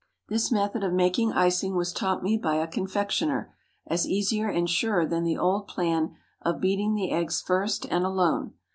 This method of making icing was taught me by a confectioner, as easier and surer than the old plan of beating the eggs first and alone.